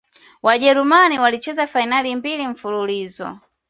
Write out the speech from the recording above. wajerumani walicheza fainali mbili mfululizo